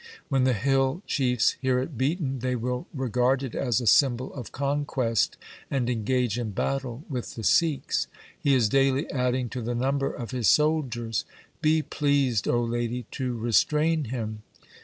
When the hill chiefs hear it beaten, they will regard it as a symbol of conquest and engage in battle with the Sikhs. He is daily adding to the number of his soldiers. Be pleased, O lady, to restrain him.'